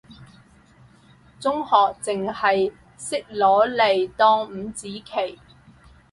中學淨係識攞嚟當五子棋，